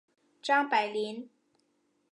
张百麟。